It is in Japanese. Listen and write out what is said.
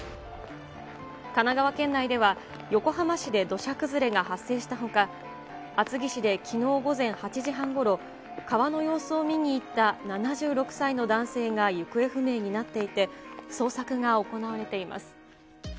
神奈川県内では、横浜市で土砂崩れが発生したほか、厚木市できのう午前８時半ごろ、川の様子を見に行った７６歳の男性が行方不明になっていて、捜索が行われています。